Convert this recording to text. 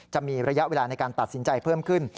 จะมีระยะเวลาในการตัดสินใจเพิ่มขึ้น